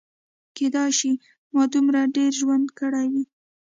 کیدای شي ما دومره ډېر ژوند کړی وي.